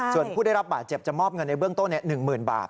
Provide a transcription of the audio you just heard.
ส่วนผู้ได้รับบาดเจ็บจะมอบเงินในเบื้องต้น๑๐๐๐บาท